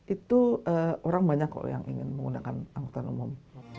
itu orang banyak kok yang ingin menggunakan angkutan umum